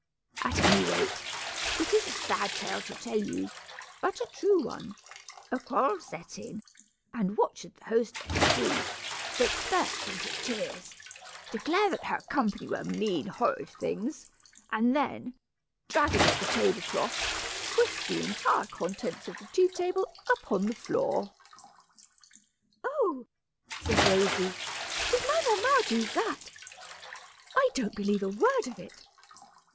At any rate, it is a sad tale to tell you, but a true one; a quarrel set in, and what should the hostess do, but burst into tears, declare that her company were mean horrid things, and then, dragging at the table cloth, whisk the entire contents of the tea table upon the floor!" "Oh!" said Rosy, "did my mamma do that? I don't believe a word of it!